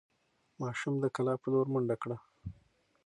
ماشوم د کلا په لور منډه کړه.